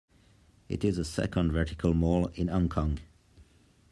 It is the second "vertical mall" in Hong Kong.